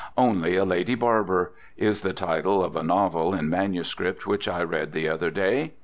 "Only a Lady Barber" is the title of a novel in manuscript which I read the other day.